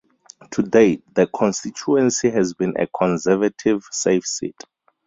To date, the constituency has been a Conservative safe seat.